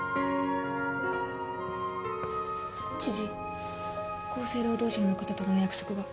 知事厚生労働省の方とのお約束が。